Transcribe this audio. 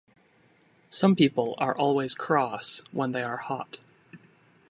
Some people are always cross when they are hot.